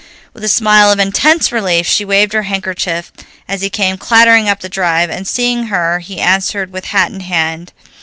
With a smile of intense relief she waved her handkerchief as he came clattering up the drive, and seeing her he answered with hat and hand.